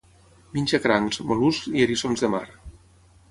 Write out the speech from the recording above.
Menja crancs, mol·luscs i eriçons de mar.